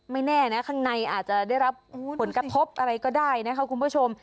แน่นะข้างในอาจจะได้รับผลกระทบอะไรก็ได้นะคะคุณผู้ชม